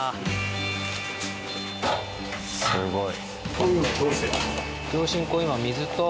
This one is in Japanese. すごい。